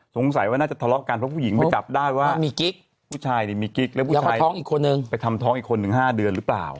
สงสัยว่าน่าจะทะเลาะกันเพราะผู้หญิงไปจับได้ว่ามีกิ๊กผู้ชายนี่มีกิ๊กแล้วผู้ชายท้องอีกคนนึงไปทำท้องอีกคนหนึ่ง๕เดือนหรือเปล่า